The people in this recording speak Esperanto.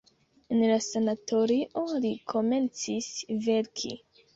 En la sanatorio li komencis verki.